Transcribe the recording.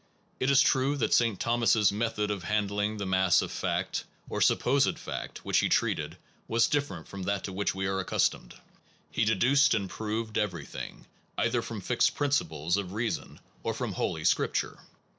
It is true that Saint Thomas s method of handling the mass of fact, or supposed fact, which he treated, was different from that to which we are accustomed. He deduced and proved everything, either from fixed principles of reason, or from holy Scripture.